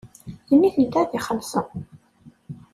D nitenti ad ixellṣen.